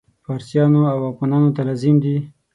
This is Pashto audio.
فارسیانو او افغانانو ته لازم دي.